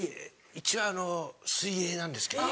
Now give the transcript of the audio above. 一応あの水泳なんですけど。